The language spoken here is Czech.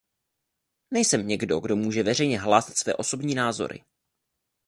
Nejsem někdo, kdo může veřejně hlásat své osobní názory.